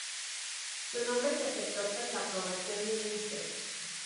Su nombre se aceptó tras la aprobación de Mrs.